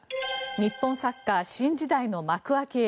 日本サッカー新時代の幕開けへ。